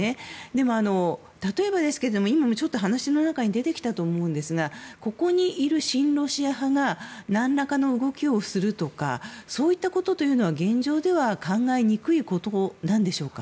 でも、例えばですけれども今ちょっと話の中に出てきたと思うんですがここにいる親ロシア派が何らかの動きをするとかそういったことというのは現状は考えにくいことなんでしょうか。